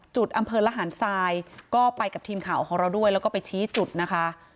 จุดอำเภอละหารทรายก็ไปกับทีมข่าวของเราด้วยแล้วก็ไปชี้จุดนะคะ